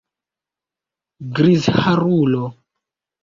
Grizharulo!